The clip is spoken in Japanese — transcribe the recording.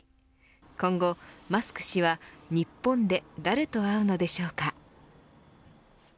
今後、マスク氏は日本で誰と会うのでしょうか。